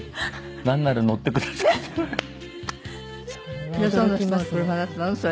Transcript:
「なんなら乗ってください」って言われた。